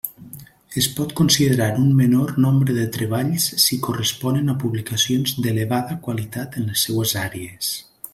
Es pot considerar un menor nombre de treballs si corresponen a publicacions d'elevada qualitat en les seues àrees.